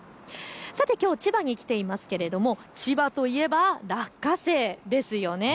さて、きょう千葉に来ていますけれども千葉といえば落花生ですよね。